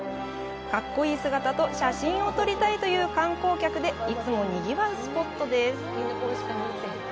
かっこいい姿と写真を撮りたいという観光客でいつもにぎわうスポットです。